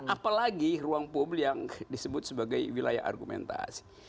apalagi ruang publik yang disebut sebagai wilayah argumentasi